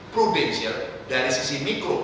prudensial dari sisi mikro